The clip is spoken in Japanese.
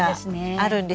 あるんですよ。